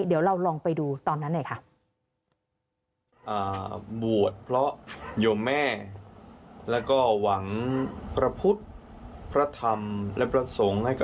เดี๋ยวเราลองไปดูตอนนั้นไงคะ